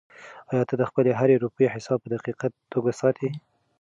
آیا ته د خپلې هرې روپۍ حساب په دقیقه توګه ساتې؟